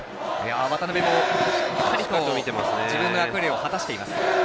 渡邉もしっかりと自分の役割を果たしています。